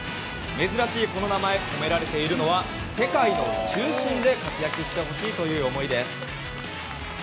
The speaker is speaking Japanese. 珍しいこの名前込められているのは世界の中心で活躍してほしいという思いです。